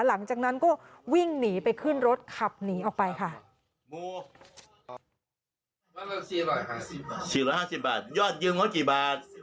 หลังจากนั้นก็วิ่งหนีไปขึ้นรถขับหนีออกไปค่ะ